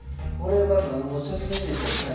これは何の写真でしょう？